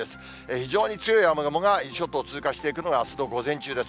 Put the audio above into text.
非常に強い雨雲が、伊豆諸島を通過していくのが、あすの午前中です。